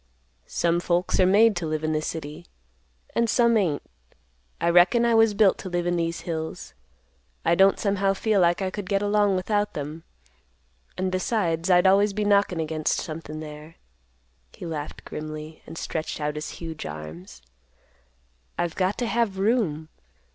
Some folks are made to live in the city, and some ain't. I reckon I was built to live in these hills. I don't somehow feel like I could get along without them; and besides, I'd always be knockin' against somethin' there." He laughed grimly, and stretched out his huge arms. "I've got to have room.